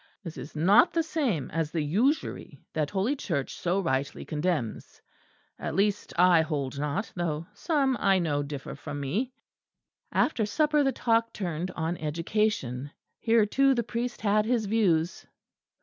This is not the same as the usury that Holy Church so rightly condemns: at least, I hold not, though some, I know, differ from me." After supper the talk turned on education: here, too, the priest had his views.